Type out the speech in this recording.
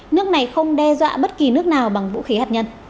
nước này không đe dọa bất kỳ nước nào bằng vũ khí hạt nhân